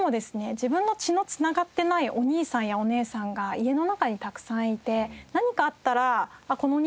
自分の血の繋がっていないお兄さんやお姉さんが家の中にたくさんいて何かあったらこのお兄さんにお願いしよう